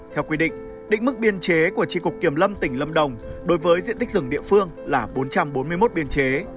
theo quy định định mức biên chế của tri cục kiểm lâm tỉnh lâm đồng đối với diện tích rừng địa phương là bốn trăm bốn mươi một biên chế